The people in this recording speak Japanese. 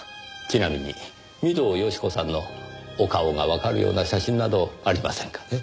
ちなみに御堂好子さんのお顔がわかるような写真などありませんかね？